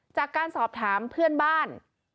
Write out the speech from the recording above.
จากการสอบถามเพื่อนบ้าน